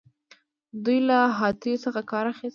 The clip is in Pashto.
دوی له هاتیو څخه کار اخیست